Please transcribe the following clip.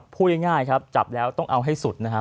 พูดง่ายครับจับแล้วต้องเอาให้สุดนะครับ